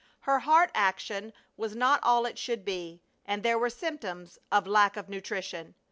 Her heart action was not all it should be, and there were symptoms of lack of nutrition.